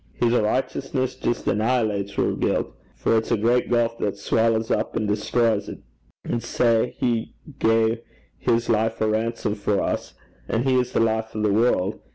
His richteousness jist annihilates oor guilt, for it's a great gulf that swallows up and destroys 't. And sae he gae his life a ransom for us: and he is the life o' the world.